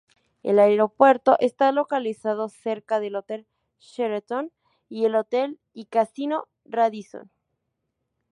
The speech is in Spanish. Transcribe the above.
El aeropuerto está localizado cerca del Hotel Sheraton y el Hotel y Casino Radisson.